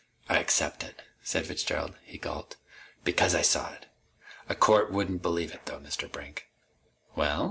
"I accept it," said Fitzgerald. He gulped. "Because I saw it. A court wouldn't believe it, though, Mr. Brink!" "Well?"